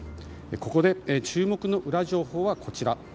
ここで注目のウラ情報はこちら。